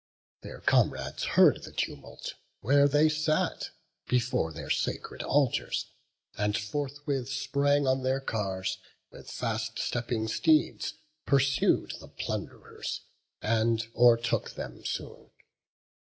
Their comrades heard the tumult, where they sat Before their sacred altars, and forthwith Sprang on their cars, and with fast stepping steeds Pursued the plund'rers, and o'ertook them soon.